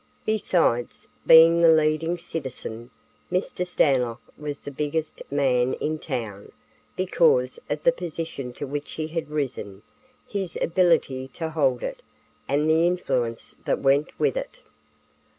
Besides being the leading citizen, Mr. Stanlock was the "biggest" man in town, because of the position to which he had risen, his ability to hold it, and the influence that went with it.